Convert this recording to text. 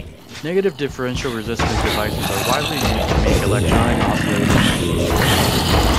Negative differential resistance devices are widely used to make electronic oscillators.